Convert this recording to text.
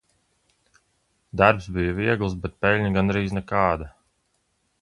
Darbs bija viegls bet peļņa gandrīz nekāda.